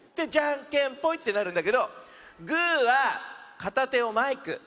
「じゃんけんぽい！」ってなるんだけどグーはかたてをマイク。